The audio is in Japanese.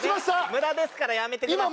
無駄ですからやめてください